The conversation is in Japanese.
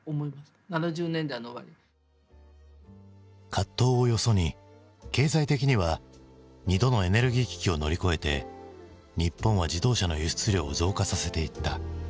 葛藤をよそに経済的には２度のエネルギー危機を乗り越えて日本は自動車の輸出量を増加させていった。